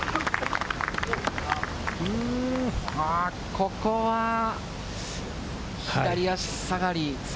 ここは左脚下がり。